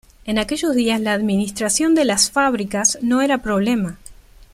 En aquellos días la administración de las fábricas no era problema.